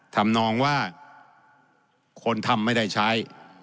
ทำนองว่าคนทำไม่ได้ใช้